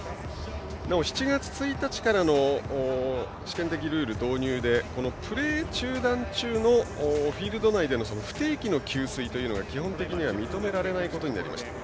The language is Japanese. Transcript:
なお７月１日からの試験的ルール導入でプレー中断中のフィールド内での不定期の給水が基本的には認められないことになりました。